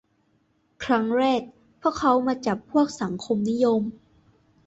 ครั้งแรก พวกเขามาจับพวกสังคมนิยม